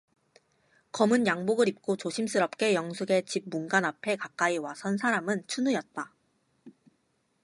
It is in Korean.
검은 양복을 입고 조심스럽게 영숙의 집 문간 앞에 가까이 와 선 사람은 춘우였다.